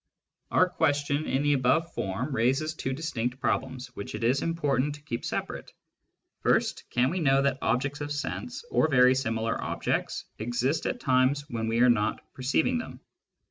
Our question in the above form raises two distinct problems, which it is important to keep separate. First, can we know that objects of sense, or very similar objects, exist at times when we are not perceiving them